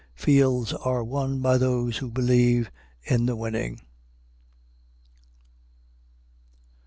Fields are won by those who believe in the winning.